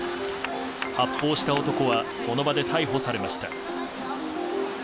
発砲した男はその場で逮捕されました。